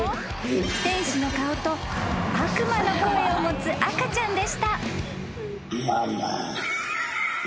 ［天使の顔と悪魔の声を持つ赤ちゃんでした］